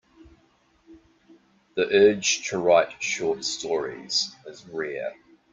The urge to write short stories is rare.